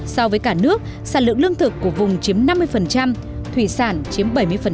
so với cả nước sản lượng lương thực của vùng chiếm năm mươi thủy sản chiếm bảy mươi